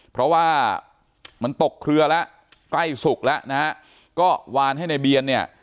เพราะว่ามันตกเครือแล้วใกล้ศุกร์แล้วนะฮะก็วานให้ในเบียนเนี่ย